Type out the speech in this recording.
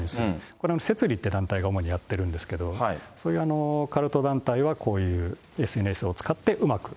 これ、せつりって団体が主にやってるんですけど、そういうカルト団体はこういうＳＮＳを使って、うまく。